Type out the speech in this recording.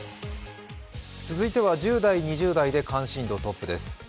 続いては１０代、２０代で関心度トップです。